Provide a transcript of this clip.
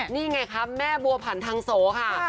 นี่ไงคะแม่บัวผันทางโสค่ะ